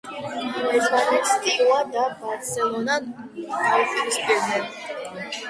ერთმანეთს „სტიაუა“ და „ბარსელონა“ დაუპირისპირდნენ.